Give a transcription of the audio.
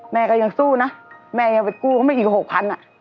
แม่ก็ยังสู้นะแม่ยังไปกู้เขาไม่อีกหกพันอ่ะ